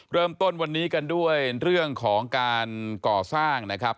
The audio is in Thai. เริ่มต้นวันนี้กันด้วยเรื่องของการก่อสร้างนะครับ